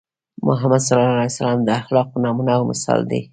محمد ص د اخلاقو نمونه او مثال دی.